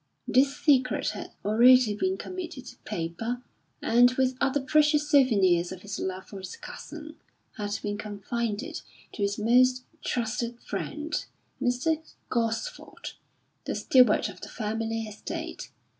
This secret had already been committed to paper, and with other precious souvenirs of his love for his cousin, had been confided to his most trusted friend Mr. Gosford, the steward of the family estate.